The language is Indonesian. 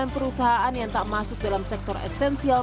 sembilan perusahaan yang tak masuk dalam sektor esensial